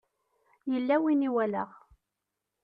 Yella win i walaɣ.